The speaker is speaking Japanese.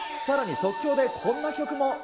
さらに即興でこんな曲も。